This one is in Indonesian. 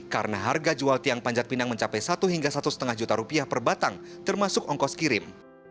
karena harga jual tiang panjat pinang mencapai satu hingga satu lima juta rupiah per batang termasuk ongkos kirim